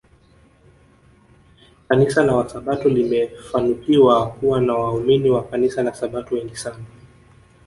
Kanisa la wasabato limefanukiwa kuwa na waumini wa kanisla la Sabato wengi sana